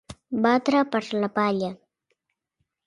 Batre per la palla.